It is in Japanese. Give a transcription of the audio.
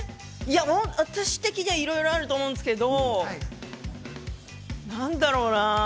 私的にはいろいろあると思うんですけど、何だろうな？